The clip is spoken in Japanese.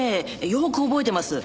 よく覚えてます。